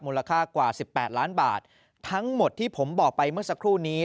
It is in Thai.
ค่ากว่าสิบแปดล้านบาททั้งหมดที่ผมบอกไปเมื่อสักครู่นี้